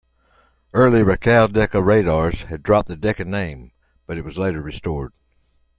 Early Racal-Decca radars had dropped the Decca name, but it was later restored.